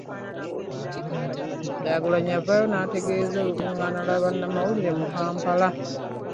Kyagulanyi yavaayo n'ategeeza Olukuŋŋaana lwa bannamawulire mu Kampala